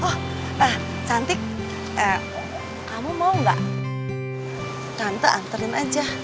oh ah cantik eh kamu mau gak tante anterin aja